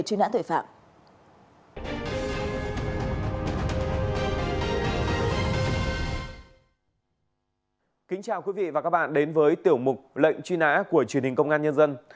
các bạn đến với tiểu mục lệnh truy nã của truyền hình công an nhân dân